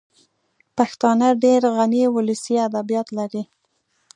پښتانه ډېر غني ولسي ادبیات لري